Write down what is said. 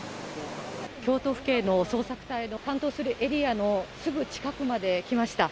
京都府警の捜索隊の担当するエリアのすぐ近くまで来ました。